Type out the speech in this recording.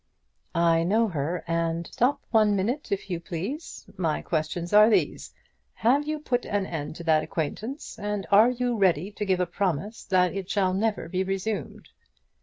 "I know her, and " "Stop one minute, if you please. My questions are these Have you put an end to that acquaintance? And are you ready to give a promise that it shall never be resumed?"